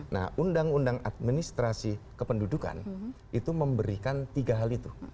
nah undang undang administrasi kependudukan itu memberikan tiga hal itu